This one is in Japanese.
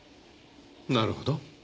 なるほど。